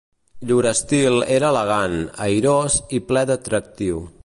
Llur estil era elegant, airós i ple d'atractiu.